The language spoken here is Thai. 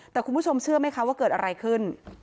แต่คุณผู้ชมเชื่อไหมคะว่าเกิดอะไรขึ้น